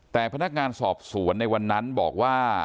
แต่พนักงานสอบสวนในวันนั้นบอกว่า